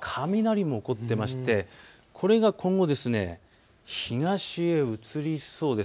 雷も起こっていましてこれが今後、東へ移りそうです。